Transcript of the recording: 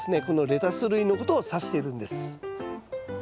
このレタス類のことを指しているんです。